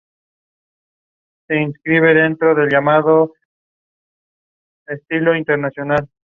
En diciembre, derrotó a Sami Callihan reteniendo su título.